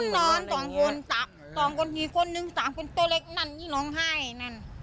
นอนสองคน๒คนอีกคนนึง๓คนตัวเล็กนั่นนี่ร้องไห้นั่น